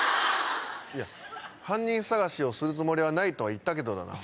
いや犯人捜しをするつもりはないとは言ったけどだな。